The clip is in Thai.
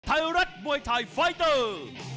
ไทยรัฐมวยไทยไฟเตอร์